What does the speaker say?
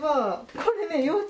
これね。